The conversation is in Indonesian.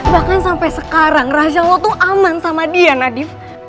bahkan sampai sekarang rahasia lo tuh aman sama dia nadif